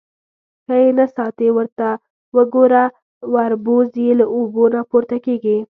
_ښه يې نه ساتې. ورته وګوره، وربوز يې له اوبو نه پورته کېږي.